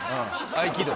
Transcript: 合気道